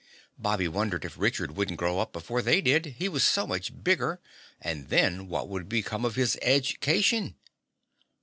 Bobby wondered if Richard wouldn't grow up before they did, he was so much bigger, and then what would become of his edge cation?